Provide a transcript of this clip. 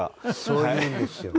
そう言うんですよ。